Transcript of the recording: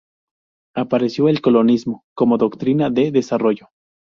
Apareció el colonialismo como doctrina de desarrollo.